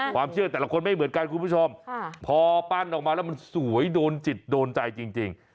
แต่ละคนไม่เหมือนกันคุณผู้ชมพอปั้นออกมาแล้วมันสวยโดนจิตโดนใจจริง